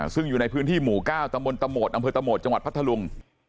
ซึ่งอยู่ในพื้นที่หมู่๙ตำบลตะโหมดอำเภอตะโหมดจังหวัดพัทธลุง